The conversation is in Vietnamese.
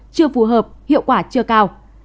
chưa phù hợp hiệu quả chưa cao